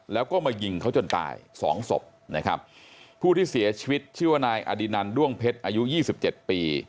แล้วก็มายิงเขาจนตายสองศพนะครับผู้ที่เสียชีวิตชื่อว่านายอดินันด้วงเพชรอายุยี่สิบเจ็ดปี